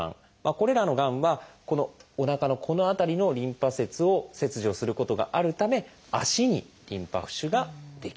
これらのがんはおなかのこの辺りのリンパ節を切除することがあるため足にリンパ浮腫が出来やすいんです。